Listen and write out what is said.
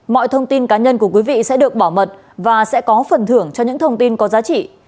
mọi thông tin cá nhân của quý vị sẽ được bảo mật và sẽ có phần thưởng cho những thông tin có giá trị